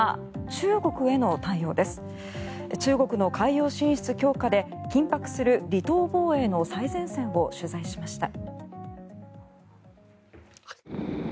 中国の海洋進出強化で緊迫する離島防衛の最前線を取材しました。